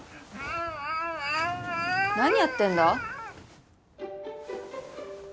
何やってんだ？